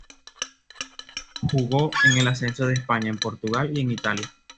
Jugó en el ascenso de España, en Portugal y en Italia.